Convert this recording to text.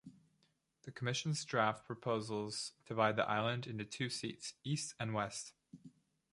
The Commission's draft proposals divide the island into two seats, East and West.